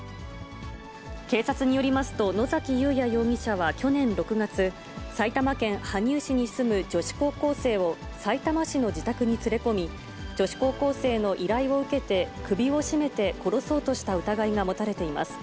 警察によりますと、野崎祐也容疑者は去年６月、埼玉県羽生市に住む女子高校生をさいたま市の自宅に連れ込み、女子高校生の依頼を受けて首を絞めて殺そうとした疑いが持たれています。